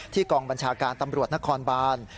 กองบัญชาการตำรวจนครบาน